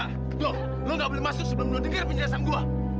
lo gak boleh masuk sebelum lo denger penjelasan gue